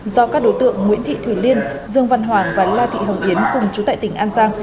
do các đối tượng nguyễn thị thủy liên dương văn hoàng và la thị hồng yến cùng chú tại tỉnh an giang